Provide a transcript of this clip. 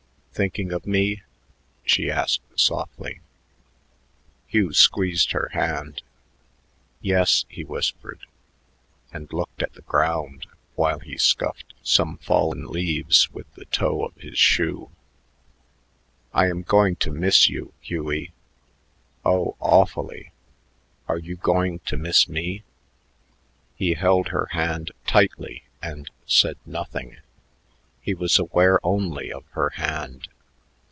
"Thinking of me?" she asked softly. Hugh squeezed her hand. "Yes," he whispered, and looked at the ground while he scuffed some fallen leaves with the toe of his shoe. "I am going to miss you, Hughie oh, awfully. Are you going to miss me?" He held her hand tightly and said nothing. He was aware only of her hand.